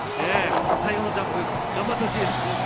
最後のジャンプ頑張ってほしいです。